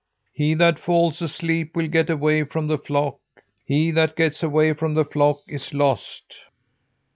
He that falls asleep will get away from the flock. He that gets away from the flock is lost."